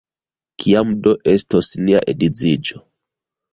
Kiam do estos nia edziĝo?